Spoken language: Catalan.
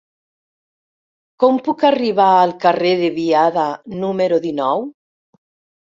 Com puc arribar al carrer de Biada número dinou?